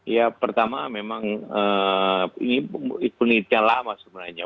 ya pertama memang ini penelitian lama sebenarnya